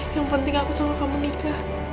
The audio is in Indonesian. yang penting aku selalu kamu nikah